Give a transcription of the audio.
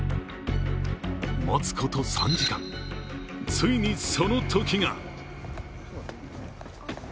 待つこと３時間、ついにそのときが。